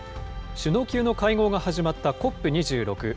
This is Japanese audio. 首脳級の会合が始まったＣＯＰ２６。